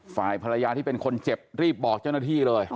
ฝ่ายภรรยาที่เป็นคนเจ็บรีบบอกเจ้าหน้าที่เลย